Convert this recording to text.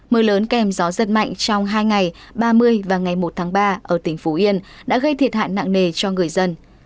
mưa lớn kèm gió giật mạnh trong hai ngày ba mươi và ngày một tháng ba ở tỉnh phú yên đã gây thiệt hại nặng nề cho người dân